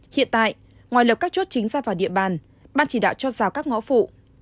hiện tại ngoài lập các chốt chính ra vào địa bàn ban chỉ đạo cho rào các ngõ phụ